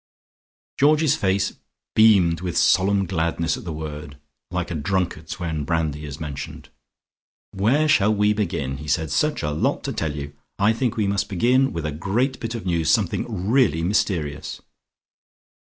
Georgie's face beamed with a "solemn gladness" at the word, like a drunkard's when brandy is mentioned. "Where shall we begin?" he said. "Such a lot to tell you. I think we must begin with a great bit of news. Something really mysterious."